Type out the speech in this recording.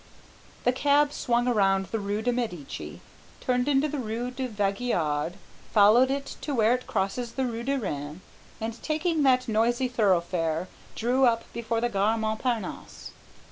The cab swung around the rue de Medici, turned into the rue de Vaugirard, followed it to where it crosses the rue de Rennes, and taking that noisy thoroughfare, drew up before the Gare Montparnasse.